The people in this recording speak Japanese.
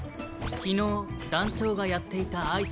昨日団長がやっていた挨拶。